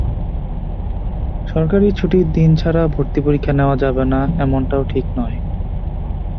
সরকারি ছুটির দিন ছাড়া ভর্তি পরীক্ষা নেওয়া যাবে না, এমনটাও ঠিক নয়।